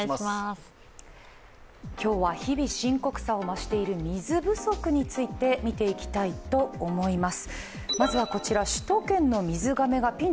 今日は日々、深刻さを増している水不足について見ていきたいと思います。